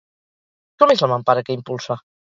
Com és la mampara que impulsa?